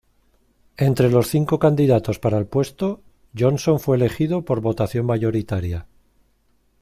Entre los cinco candidatos para el puesto, Johnson fue elegido por votación mayoritaria.